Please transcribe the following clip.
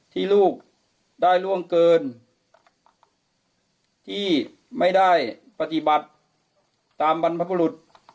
ที่ลูกได้ล่วงเกินที่ไม่ได้ปฏิบัติตามบรรพบุรุษ